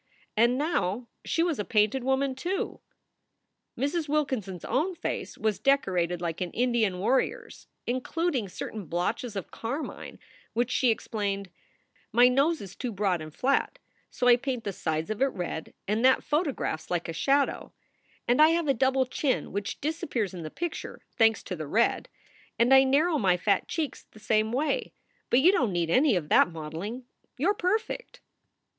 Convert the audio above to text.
And now she was a painted woman, too! Mrs. Wilkinson s own face was decorated like an Indian warrior s, including certain blotches of carmine, which she explained : "My nose is too broad and flat, so I paint the sides of it red and that photographs like a shadow; and I have a double chin which disappears in the picture, thanks to the red; and I narrow my fat cheeks the same way. But you don t need any of that modeling. You re perfect."